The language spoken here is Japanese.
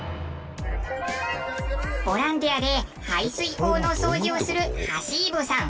ボランティアで排水溝の掃除をするハシーブさん。